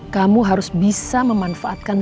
kamu harus bisa memanfaatkan